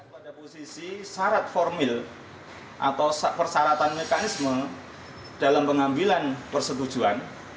pada posisi syarat formil atau persyaratan mekanisme dalam pengambilan persetujuan